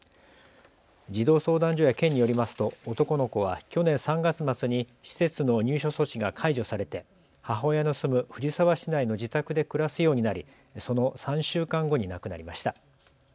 児童相談所や県によりますと男の子は去年３月末に施設の入所措置が解除されて母親の住む藤沢市内の自宅で暮らすようになりその３週間後に亡くなりました。